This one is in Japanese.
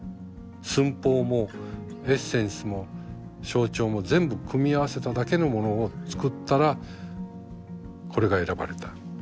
寸法もエッセンスも象徴も全部組み合わせただけのものを作ったらこれが選ばれた。